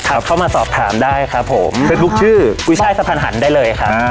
เข้ามาสอบถามได้ครับผมเฟซบุ๊คชื่อกุ้ยช่ายสะพานหันได้เลยครับอ่า